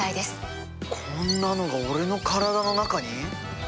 こんなのが俺の体の中に？